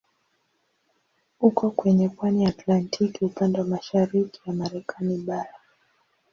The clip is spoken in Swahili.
Uko kwenye pwani ya Atlantiki upande wa mashariki ya Marekani bara.